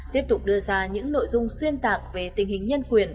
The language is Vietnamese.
tiếp tục đưa ra những nội dung xuyên tạc về tình hình nhân quyền